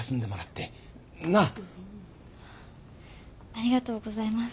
ありがとうございます。